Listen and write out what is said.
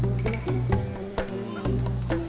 di cianjur doy